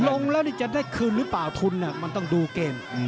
ลงแล้วนี่จะได้คืนหรือเปล่าทุนมันต้องดูเกม